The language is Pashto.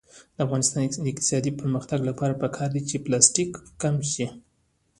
د افغانستان د اقتصادي پرمختګ لپاره پکار ده چې پلاستیک کم شي.